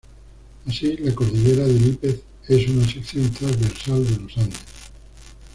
Así la Cordillera de Lípez es una sección transversal de los Andes.